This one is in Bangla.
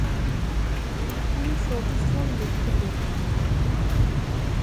তিনি সবুজ রঙ দেখতে পেতেন না।